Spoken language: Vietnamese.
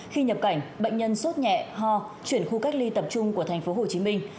khi nhập cảnh bệnh nhân sốt nhẹ ho chuyển khu cách ly tập trung của thành phố hồ chí minh